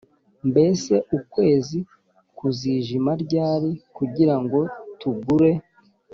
mbese ukwezi kuzijima ryari kugira ngo tugure